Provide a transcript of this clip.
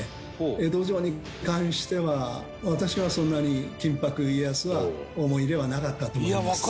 江戸城に関しては私はそんなに金箔家康は思い入れはなかったと思います。